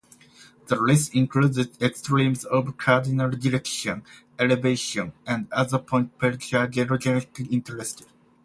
The list includes extremes of cardinal direction, elevation, and other points peculiar geographic interest.